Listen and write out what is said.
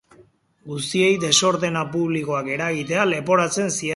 Guztiei desordena publikoak eragitea leporatzen zieten.